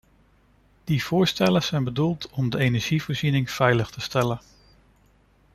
Die voorstellen zijn bedoeld om de energievoorziening veilig te stellen.